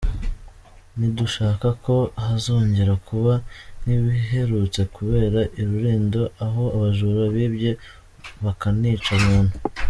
Ntidushaka ko hazongera kuba nk’ibiherutse kubera i Rulindo, aho abajura bibye bakanica umuntu.